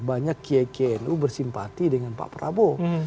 banyak kknu bersimpati dengan pak prabowo